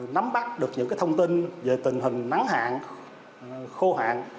nắm bắt được những thông tin về tình hình nắng hạn khô hạn